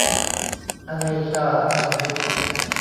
อเนชา ทันยุค